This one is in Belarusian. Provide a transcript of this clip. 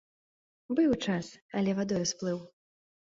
Быў час, але вадою сплыў.